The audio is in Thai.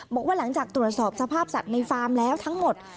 บอกว่าหลังจากตรวจสอบสภาพสัตว์ในฟาร์มแล้วทั้งหมด